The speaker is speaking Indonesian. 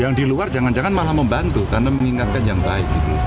yang di luar jangan jangan malah membantu karena mengingatkan yang baik